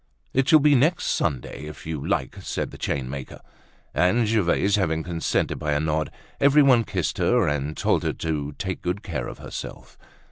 "It shall be next Sunday, if you like," said the chainmaker. And Gervaise having consented by a nod, everyone kissed her and told her to take good care of herself.